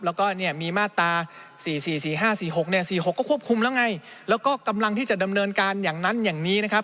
แล้วก็เนี่ยมีมาตรา๔๔๔๕๔๖เนี่ย๔๖ก็ควบคุมแล้วไงแล้วก็กำลังที่จะดำเนินการอย่างนั้นอย่างนี้นะครับ